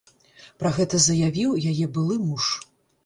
Пра гэта заявіў яе былы муж.